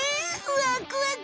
ワクワク！